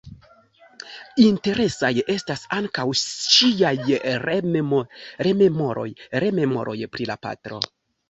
Interesaj estas ankaŭ ŝiaj rememoroj pri la patro.